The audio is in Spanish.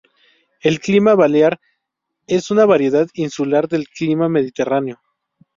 El clima balear es una variedad insular del clima mediterráneo.